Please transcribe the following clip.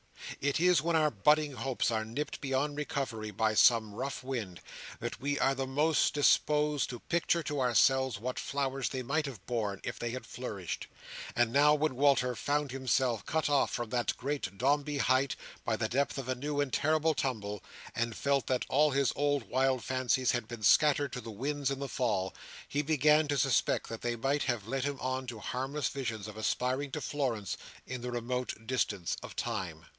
It is when our budding hopes are nipped beyond recovery by some rough wind, that we are the most disposed to picture to ourselves what flowers they might have borne, if they had flourished; and now, when Walter found himself cut off from that great Dombey height, by the depth of a new and terrible tumble, and felt that all his old wild fancies had been scattered to the winds in the fall, he began to suspect that they might have led him on to harmless visions of aspiring to Florence in the remote distance of time.